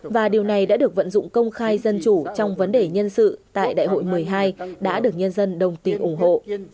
và điều này đã được vận dụng công khai dân chủ trong vấn đề nhân sự tại đại hội một mươi hai đã được nhân dân đồng tình ủng hộ